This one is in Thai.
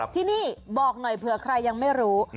ที่นี่บอกหน่อยเผื่อใครยังไม่รู้